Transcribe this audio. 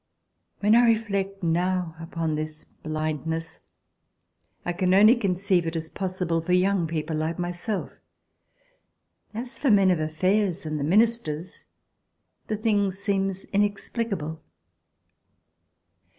When I reflect now upon this blindness, I can only conceive it as possible for young people like myself. As for men of affairs, and the Ministers, the thing seems inexplicable.